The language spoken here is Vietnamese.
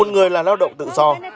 một người là lao động tự do